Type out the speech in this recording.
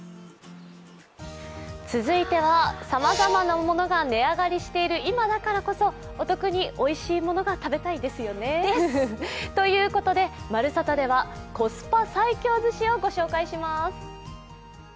続いては、さまざまなものが値上がりしている今だからこそお得においしいものが食べたいですよね。ということで「まるサタ」ではコスパ最強ずしをご紹介します。